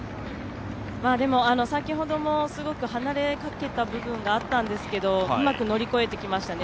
先ほども離れかけた部分があったんですけどうまく乗り越えてきましたね